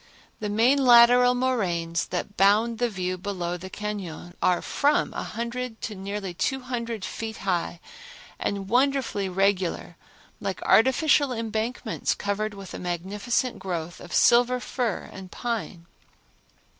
The main lateral moraines that bound the view below the cañon are from a hundred to nearly two hundred feet high and wonderfully regular, like artificial embankments covered with a magnificent growth of silver fir and pine.